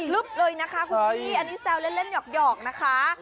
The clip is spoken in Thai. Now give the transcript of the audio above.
เลยนะคะคุณพี่อันนี้แซวเล่นหยอกนะคะ